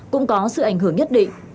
cũng có sự ảnh hưởng nhất định